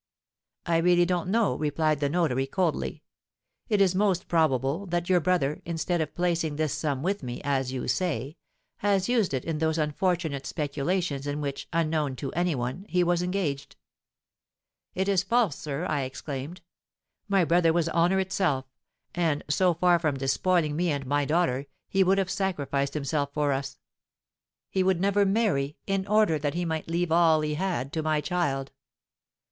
'I really don't know,' replied the notary, coldly. 'It is most probable that your brother, instead of placing this sum with me, as you say, has used it in those unfortunate speculations in which, unknown to any one, he was engaged.' 'It is false, sir!' I exclaimed. 'My brother was honour itself, and, so far from despoiling me and my daughter, he would have sacrificed himself for us. He would never marry, in order that he might leave all he had to my child.'